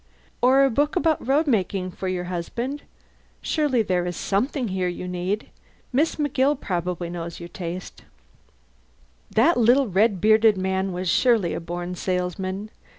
Or a book about road making for your husband? Surely there is something here you need? Miss McGill probably knows your tastes." That little red bearded man was surely a born salesman.